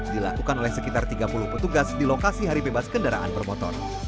dilakukan oleh sekitar tiga puluh petugas di lokasi hari bebas kendaraan bermotor